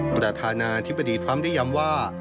ประธานาธิบดีทรัมป์ได้ย้ำว่า